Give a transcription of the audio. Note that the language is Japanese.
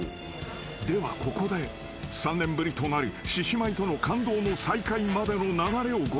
［ではここで３年ぶりとなる獅子舞との感動の再会までの流れをご説明しよう］